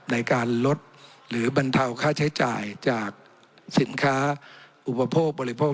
ในการลดหรือบรรเทาค่าใช้จ่ายจากสินค้าอุปโภคบริโภค